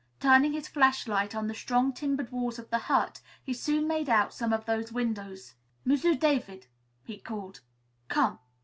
Turning his flashlight on the strong timbered walls of the hut, he soon made out one of those windows. "M'sieu' David," he called, "come.